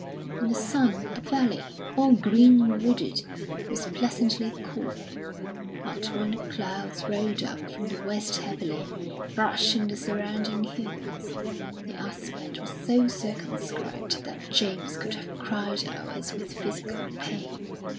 In the sun, the valley, all green and wooded, was pleasantly cool; but when the clouds rolled up from the west heavily, brushing the surrounding hills, the aspect was so circumscribed that James could have cried out as with physical pain.